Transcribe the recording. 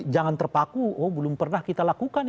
jangan terpaku oh belum pernah kita lakukan